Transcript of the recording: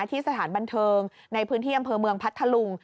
สถานบันเทิงในพื้นที่อำเภอเมืองพัทธลุง